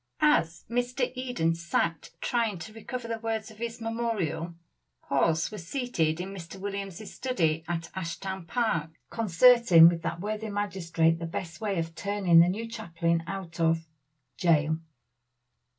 As Mr. Eden sat trying to recover the words of his memorial, Hawes was seated in Mr. Williams' study at Ashtown Park, concerting with that worthy magistrate the best way of turning the new chaplain out of Jail.